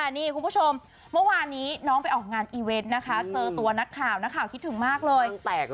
นี่คุณผู้ชมเมื่อวานนี้น้องไปออกงานอีเวนต์นะคะเจอตัวนักข่าวนักข่าวคิดถึงมากเลย